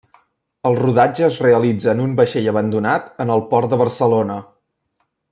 El rodatge es realitza en un vaixell abandonat en el port de Barcelona.